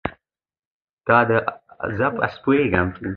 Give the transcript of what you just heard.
دا د اپارټایډ د بېلابېلو بڼو زیږوونکی دی.